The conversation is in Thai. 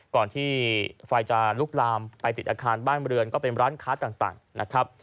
ก่อนที่ไฟจะลุกลามไปติดอาคารบ้านเรือนก็เป็นร้านค้าต่างนะครับ